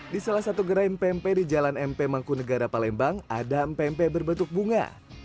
di salah satu gerai mpe mpe di jalan mp mangkunegara palembang ada mpe mpe berbentuk bunga